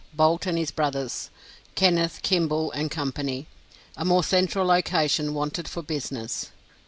BOULT AND HIS BROTHERS. KENNETH, KIMBALL AND COMPANY. A MORE CENTRAL LOCATION WANTED FOR BUSINESS.